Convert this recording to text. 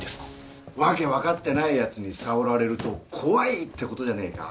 訳分かってないやつに触られると怖いってことじゃねえか？